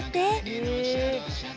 へえ。